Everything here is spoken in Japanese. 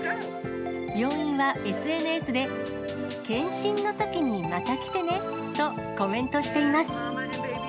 病院はＳＮＳで、検診のときにまた来てねとコメントしています。